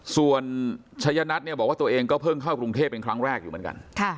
ส่วนชัยนัทเนี่ยบอกว่าตัวเองก็เพิ่งเข้ากรุงเทพเป็นครั้งแรกอยู่เหมือนกัน